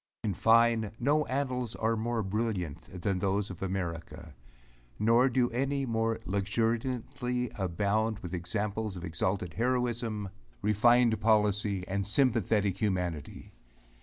In fine, no annals are more brilliant than those of America; nor do any more luxuriantly abound with examples of exalted heroism, refined policy, and sympathetic humanity.